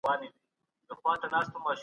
انسان تل د ښه ژوند په لټه کي دی.